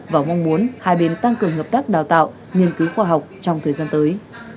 và mong muốn hai bên tăng cường hợp tác đào tạo nghiên cứu khoa học trong thời gian tới